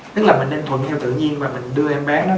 tức là mình nên thuận theo tự nhiên và mình đưa em bé nó